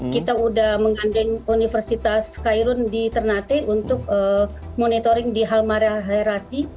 kita sudah mengandeng universitas khairun di ternate untuk monitoring di halmareasi